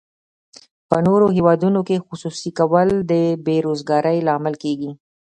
په نورو هیوادونو کې خصوصي کول د بې روزګارۍ لامل کیږي.